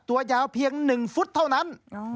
ตัวยาวเพียง๑ฟุตเท่านั้น